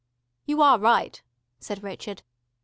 "You are right," said Richard.